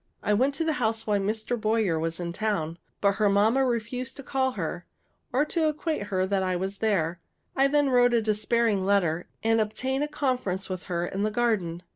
I went to the house while Mr. Boyer was in town; but her mamma refused to call her, or to acquaint her that I was there. I then wrote a despairing letter, and obtained a conference with her in the garden.